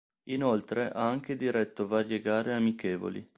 Inoltre, ha anche diretto varie gare amichevoli.